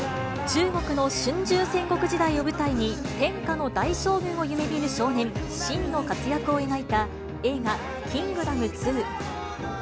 中国の春秋戦国時代を舞台に、天下の大将軍を夢みる少年、信の活躍を描いた映画、キングダム２。